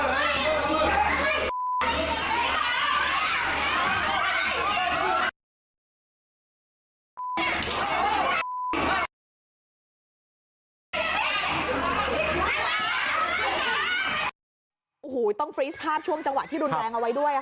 โอ้โหต้องฟรีสภาพช่วงจังหวะที่รุนแรงเอาไว้ด้วยค่ะ